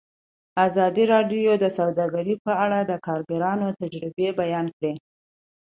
ازادي راډیو د سوداګري په اړه د کارګرانو تجربې بیان کړي.